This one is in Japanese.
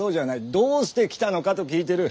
「どうして来たのか？」と聞いてる。